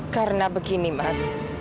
karena begini mas